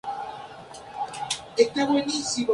El hermano de Elvis es el actor Oz Perkins.